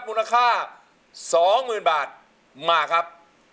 มูลค่าสองหมื่นบาทมาครับ